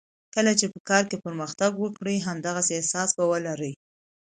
کله چې په کار کې پرمختګ وکړې همدغسې احساس به ولرې.